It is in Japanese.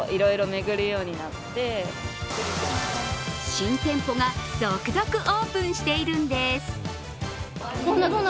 新店舗が続々オープンしているんです。